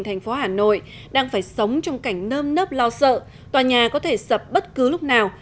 thành phố hà nội đang phải sống trong cảnh nơm nớp lo sợ tòa nhà có thể sập bất cứ lúc nào